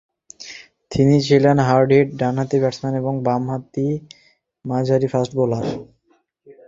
তিনি ছিলেন হার্ড-হিট ডানহাতি ব্যাটসম্যান এবং ডানহাতি মাঝারি ফাস্ট বোলার।